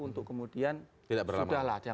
untuk kemudian sudah lah